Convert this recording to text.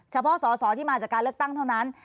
เฉพาะสอสอที่มาจากการเลือกตั้งเท่านั้น